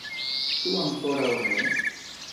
Ĉu ankoraŭ ne?